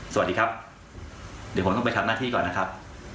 สวัสดีครับเดี๋ยวผมต้องไปทำหน้าที่ก่อนนะครับ